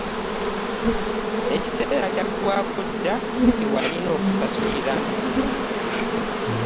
Ekiseera kyaggwaako dda kye walina okusasuliramu.